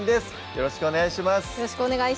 よろしくお願いします